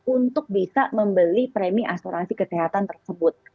untuk bisa membeli premi asuransi kesehatan tersebut